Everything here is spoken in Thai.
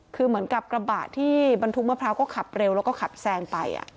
คือเหมือนกับกระบะที่บรรทุกมะพร้าวก็ขับเร็วแล้วก็ขับแซงไป